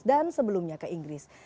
dan sebelumnya ke inggris